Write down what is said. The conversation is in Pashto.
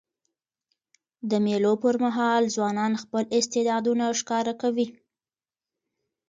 د مېلو پر مهال ځوانان خپل استعدادونه ښکاره کوي.